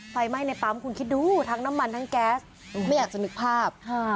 ไฟไหม้ในปั๊มคุณคิดดูทั้งน้ำมันทั้งแก๊สไม่อยากจะนึกภาพ